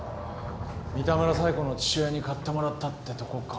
三田村冴子の父親に買ってもらったってとこか。